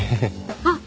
あっ！